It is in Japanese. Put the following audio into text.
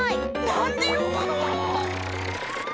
なんでよぶの！